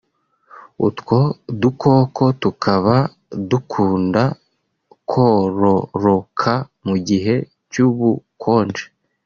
utwo dukoko tukaba dukunda kororoka mu gihe cy’ubukonje